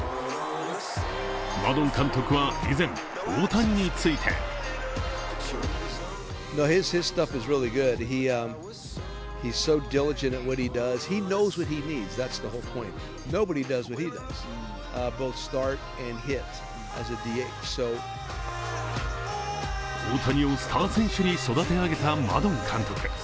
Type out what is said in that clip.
マドン監督は以前、大谷について大谷をスター選手に育て上げたマドン監督。